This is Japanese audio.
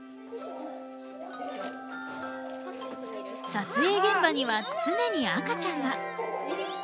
撮影現場には常に赤ちゃんが。